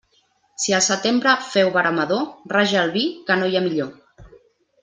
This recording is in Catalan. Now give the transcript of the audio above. Si el setembre el féu veremador, raja el vi, que no hi ha millor.